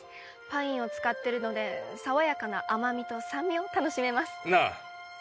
パインを使ってるので爽やかな甘みと酸味を楽しめますなあ